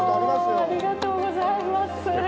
ありがとうございます。